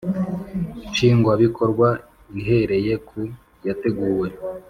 Nshingwabikorwa ihereye ku yateguwe